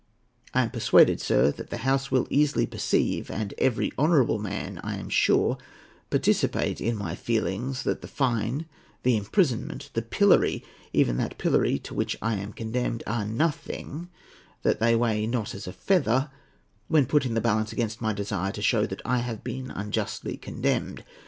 "I am persuaded, sir, that the House will easily perceive, and every honourable man, I am sure, participate in my feelings, that the fine, the imprisonment, the pillory—even that pillory to which I am condemned—are nothing, that they weigh not as a feather, when put in the balance against my desire to show that I have been unjustly condemned.